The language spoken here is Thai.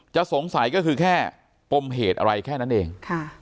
สงสัยก็คือแค่ปมเหตุอะไรแค่นั้นเอง